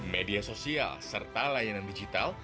media sosial serta layanan digital